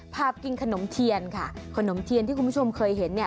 พากินขนมเทียนค่ะขนมเทียนที่คุณผู้ชมเคยเห็นเนี่ย